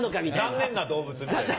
残念な動物みたいな。